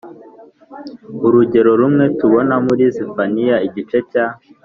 urugero rumwe tubona muri Zefaniya igice cya